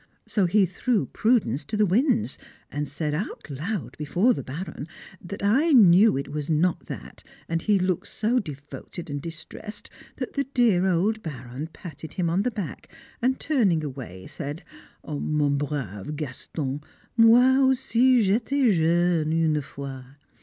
So he threw prudence to the winds, and said out loud before the Baron that I knew it was not that, and he looked so devoted and distressed that the dear old Baron patted him on the back, and turning away said, "Mon brave Gaston, moi aussi j'étais jeune une fois."